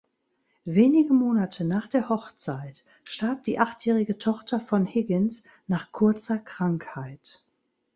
Wenige Monate nach der Hochzeit starb die achtjährige Tochter von Higgins nach kurzer Krankheit.